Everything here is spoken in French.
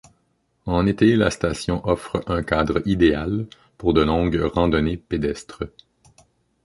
En été, la station offre un cadre idéal pour de longues randonnées pédestres.